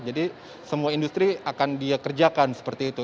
jadi semua industri akan dia kerjakan seperti itu